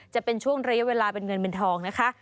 จะเป็นช่วงระยะเวลาเป็นเงินเป็นทองนะคะ